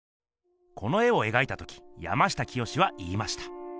この絵をえがいた時山下清は言いました。